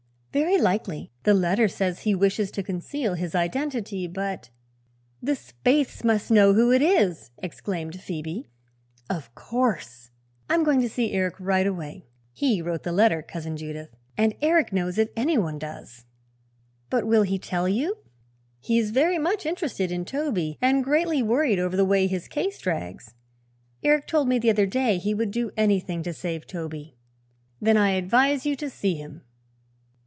"Very likely. The letter says he wishes to conceal his identity, but " "The Spaythes must know who it is!" exclaimed Phoebe. "Of course." "I'm going to see Eric right away. He wrote the letter, Cousin Judith, and Eric knows if anyone does." "But will he tell you?" "He is very much interested in Toby and greatly worried over the way his case drags. Eric told me the other day he would do anything to save Toby." "Then I advise you to see him."